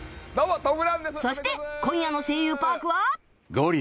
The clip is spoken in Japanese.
そして今夜の『声優パーク』は